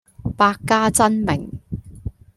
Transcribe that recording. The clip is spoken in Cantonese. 百家爭鳴